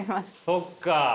そっかあ。